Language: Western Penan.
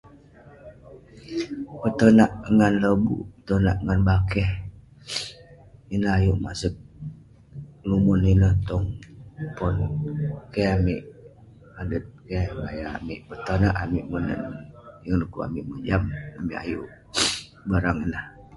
Petonak ngan lobuk, petonak ngan bakeh ineh ayuk masek numon ineh tong pon, keh amik adet, keh gaya amik petonak amik monen ineh dukuk amik mojam